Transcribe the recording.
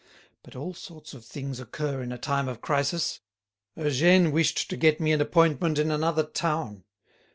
But all sorts of things occur in a time of crisis. Eugène wished to get me an appointment in another town.